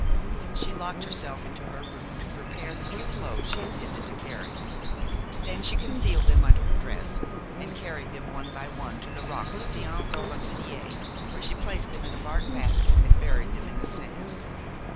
She locked herself into her room to prepare the few clothes she intended to carry; then she concealed them under her dress and carried them one by one to the rocks at the Anse aux Lataniers, where she placed them in a bark basket and buried them in the sand.